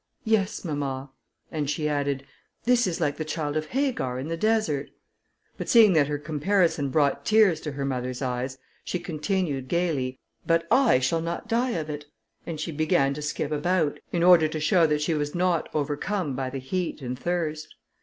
"Yes, mamma;" and she added, "this is like the child of Hagar in the desert." But seeing that her comparison brought tears to her mother's eyes, she continued gaily, "But I shall not die of it," and she began to skip about, in order to show that she was not overcome by the heat and thirst.